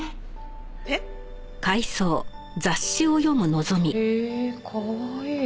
えっ？へえかわいい。